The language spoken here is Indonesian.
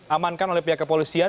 amankan oleh pihak kepolisian